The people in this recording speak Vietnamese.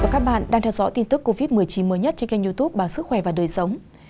và các bạn đang theo dõi tin tức covid một mươi chín mới nhất trên kênh youtube báo sức khỏe và đời sống